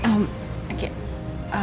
iya apa cepetan